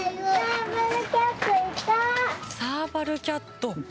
サーバルキャット。